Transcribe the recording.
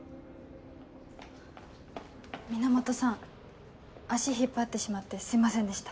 源さん足引っ張ってしまってすいませんでした。